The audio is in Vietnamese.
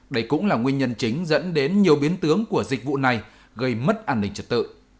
đây cũng là nguyên nhân chính dẫn đến nhiều biến tướng của dịch vụ này gây mất an ninh trật tự